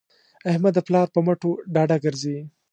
احمد د پلار په مټو ډاډه ګرځي.